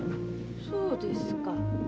そうですか。